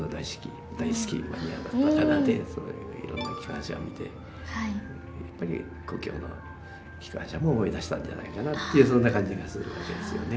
そういういろんな機関車を見てやっぱり故郷の機関車も思い出したんじゃないかなっていうそんな感じがするわけですよね。